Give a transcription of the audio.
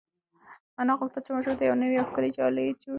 انا غوښتل چې ماشوم ته یو نوی او ښکلی کالي جوړ کړي.